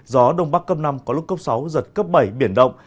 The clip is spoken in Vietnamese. gió đông bắc câm năm có lúc cốc sáu giật cấp bảy biển động